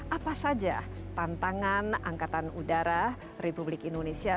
apa saja tantangan angkatan udara republik indonesia